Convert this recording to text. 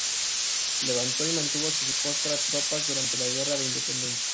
Levantó y mantuvo a su costa tropas durante la Guerra de la Independencia.